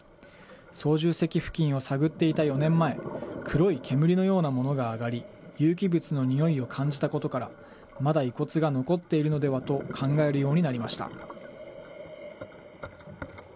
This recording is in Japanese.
操縦席付近を探っていた４年前、黒い煙のようなものが上がり、有機物のにおいを感じたことから、まだ遺骨が残っているのではと考えるようになりました。